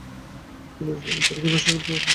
তিনি উসমানীয় তুর্কি ভাষায় রপ্ত করেন।